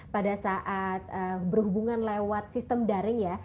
pada saat berhubungan lewat sistem daring ya